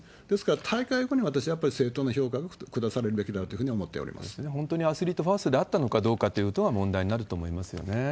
ですから、大会後にやっぱり正当な評価が下されるべきだというふうに思って本当にアスリートファーストであったのかどうかっていうことが問題になると思いますよね。